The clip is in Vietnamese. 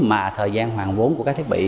mà thời gian hoàn vốn của các thiết bị